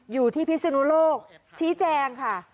อยู่ที่พิศนุโลกชี้แจงค่ะ